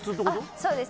そうです。